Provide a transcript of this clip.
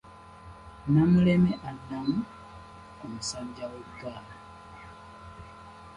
Namuleme addamu, omusajja w'eggaali